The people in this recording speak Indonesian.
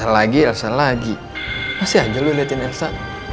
lagi lagi masih aja lu lihatin elsa